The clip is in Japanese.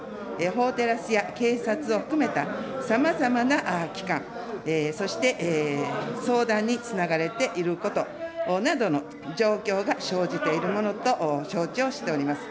法テラスや警察を含めたさまざまな機関、そして、相談につながれていることなどの状況が生じているものと承知をしております。